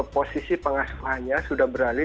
posisi pengasuhannya sudah beralih